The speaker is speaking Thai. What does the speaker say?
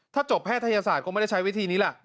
ถ้าจบแพทยศาสตร์คงไม่ได้ใช้วิธีนี้ล่ะ